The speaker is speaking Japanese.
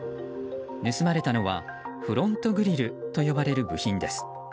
盗まれたのは、フロントグリルと呼ばれる部品です。